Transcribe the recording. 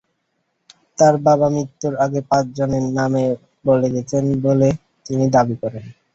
তাঁর বাবা মৃত্যুর আগে পাঁচজনের নাম বলে গেছেন বলে তিনি দাবি করেন।